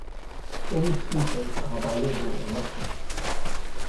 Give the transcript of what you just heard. All speakers are bilingual in Russian.